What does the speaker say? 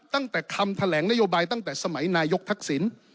ตั้งแต่คำแถลงนโยบายตั้งแต่สมัยนายกทักษิณ